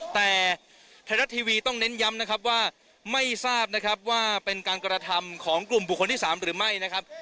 แต่ไทยรัฐทีวีต้องเน้นย้ำนะครับว่าไม่ทราบนะครับว่าเป็นการกระทำของกลุ่มบุคคลที่๓หรือไม่นะครับ